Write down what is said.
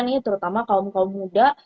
nih terutama kaum kaum muda